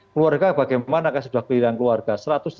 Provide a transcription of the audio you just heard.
keluarga bagaimana sudah kehilangan keluarga